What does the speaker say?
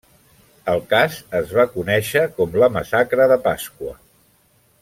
El cas es va conèixer com la massacre de Pasqua.